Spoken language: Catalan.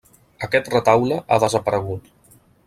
Aquest retaule ha desaparegut.